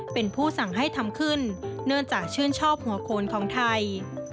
เป็นผู้สั่งให้ทำขึ้นเนื่องจากชื่นชอบหัวโคนของไทย